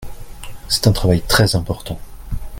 C'est un travail très important.